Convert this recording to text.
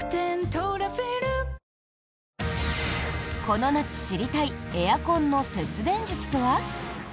この夏、知りたいエアコンの節電術とは？